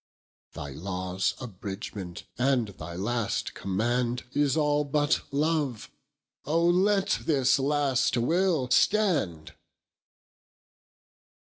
Thy lawes abridgement, and thy last command Is all but love; Oh let this last Will stand!